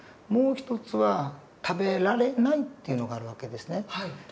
もう一つは食べられないっていうのがある訳ですね。